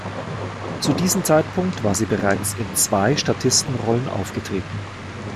Zu diesem Zeitpunkt war sie bereits in zwei Statistenrollen aufgetreten.